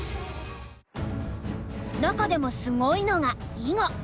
中でもすごいのが囲碁。